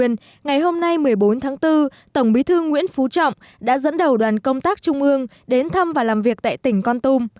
ngày hôm nay một mươi bốn tháng bốn tổng bí thư nguyễn phú trọng đã dẫn đầu đoàn công tác trung ương đến thăm và làm việc tại tỉnh con tum